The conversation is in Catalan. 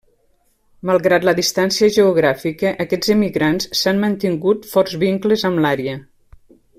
Malgrat la distància geogràfica, aquests emigrants s'han mantingut forts vincles amb l'àrea.